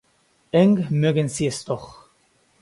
Eng mögen Sie es doch.